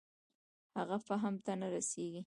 هغه فهم ته نه رسېږي.